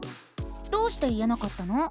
どうして言えなかったの？